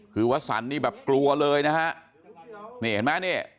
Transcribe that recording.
คือวสันนี่แบบกลัวเลยนะฮะนี่เห็นไหมนี่